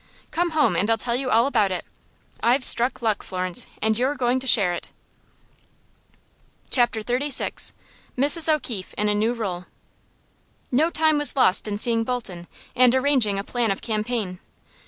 Come home, and I'll tell you all about it. I've struck luck, Florence, and you're going to share it." Chapter XXXVI. Mrs. O'Keefe In A New Role. No time was lost in seeing Bolton and arranging a plan of campaign.